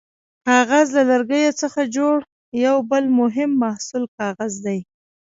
کاغذ: له لرګیو څخه جوړ یو بل مهم محصول کاغذ دی.